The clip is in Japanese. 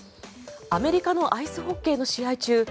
アメリカのアイスホッケーの試合中